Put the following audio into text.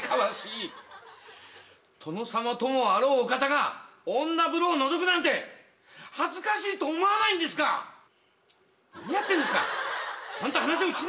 殿様ともあろうお方が女風呂をのぞくなんて恥ずかしいと思わないんですか⁉何やってんですか⁉ちゃんと話を聞きなさい！